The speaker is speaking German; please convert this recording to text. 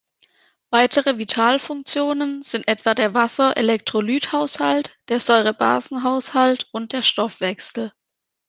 Weitere Vitalfunktionen sind etwa der Wasser-Elektrolyt-Haushalt, der Säure-Base-Haushalt und der Stoffwechsel.